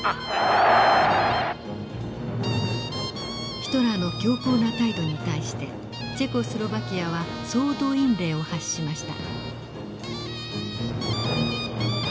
ヒトラーの強硬な態度に対してチェコスロバキアは総動員令を発しました。